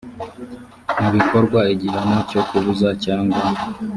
mu bikorwa igihano cyo kubuza cyangwa